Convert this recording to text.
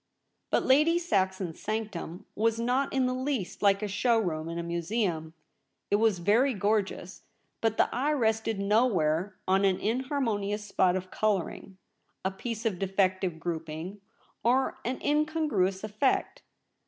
But Lady Saxon's sanctum was not in the least like a show room in a museum. It WcxS very gorgeous, but the eye rested nowhere on an inharmonious spot of colouring, a piece of defective grouping, or an incongruous etiect.